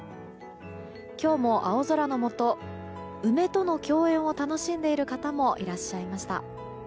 今日も青空のもと梅との共演を楽しんでいる方もいらっしゃいました。